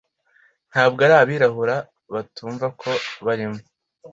Ntabwo ari abirabura batumva ko barimo